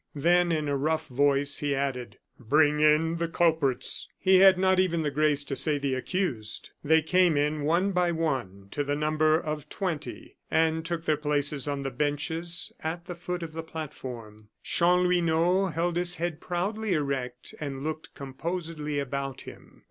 Then, in a rough voice, he added: "Bring in the culprits." He had not even the grace to say "the accused." They came in, one by one, to the number of twenty, and took their places on the benches at the foot of the platform. Chanlouineau held his head proudly erect, and looked composedly about him.